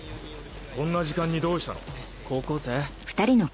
こんな時間にどうしたの？